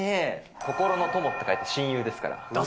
心の友って書いて心友ですかだ